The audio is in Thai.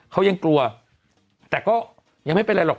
เขายังกลัวแต่ก็ยังไม่เป็นไรหรอก